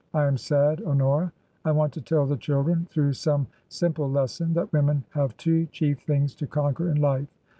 I am sad, Honora. I want to tell the children, through some sim ple lesson, that women have two chief things to conquer in life.